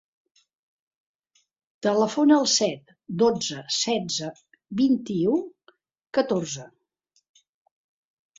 Telefona al set, dotze, setze, vint-i-u, catorze.